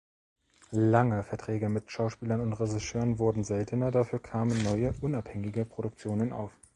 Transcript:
Lange Verträge mit Schauspielern und Regisseuren wurden seltener, dafür kamen neue, unabhängige Produktionen auf.